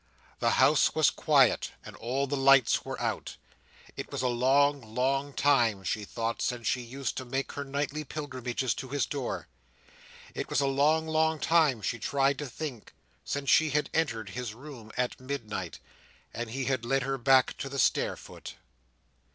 The house was quiet, and all the lights were out. It was a long, long time, she thought, since she used to make her nightly pilgrimages to his door! It was a long, long time, she tried to think, since she had entered his room at midnight, and he had led her back to the stair foot!